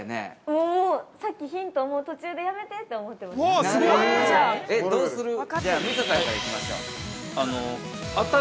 ◆もう、さっきヒント途中でやめてって思ってました。